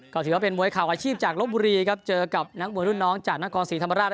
ก็ถือว่าเป็นมวยเข่าอาชีพจากลบบุรีครับเจอกับนักมวยรุ่นน้องจากนครศรีธรรมราช